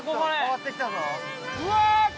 うわ。